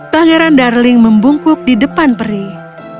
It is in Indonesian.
pangeran darling membungkuk di depan perih